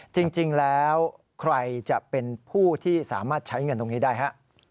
จริงแล้วใครจะเป็นผู้ที่สามารถใช้เงินตรงนี้ได้ฮะ